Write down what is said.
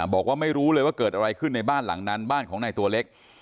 บอกว่าไม่รู้เลยว่าเกิดอะไรขึ้นในบ้านหลังนั้นบ้านของนายตัวเล็ก